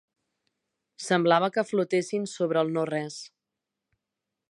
Semblava que flotessin sobre el no-res.